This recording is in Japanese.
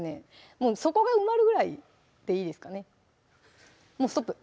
もう底が埋まるぐらいでいいですかねもうストップ！